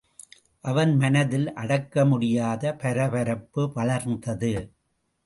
அவன் மனத்தில் அடக்க முடியாத பரபரப்பு வளர்ந்தது.